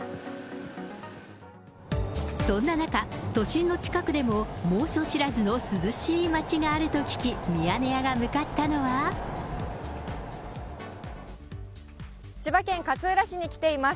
そんな中、都心の近くでも猛暑知らずの涼しい町があると聞き、ミヤネ屋が向千葉県勝浦市に来ています。